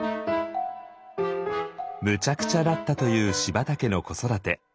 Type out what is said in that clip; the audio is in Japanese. むちゃくちゃだったという柴田家の子育て。